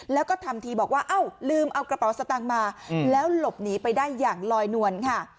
แล้วก็ทำทีบอกว่าเอ้าลืมเอากระเป๋าสตางค์มาแล้วหลบหนีไปได้อย่างลอยนวลค่ะ